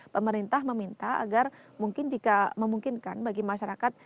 pemerintah meminta agar mungkin jika memungkinkan bagi masyarakat